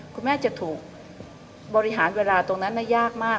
คุณแม่จะถูกบริหารเวลาตรงนั้นได้ยากมาก